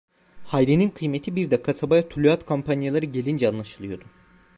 Hayri'nin kıymeti bir de kasabaya tuluat kumpanyaları gelince anlaşılıyordu.